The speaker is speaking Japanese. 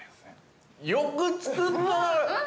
よく作ったな！